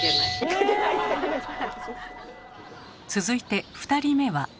続いて２人目は。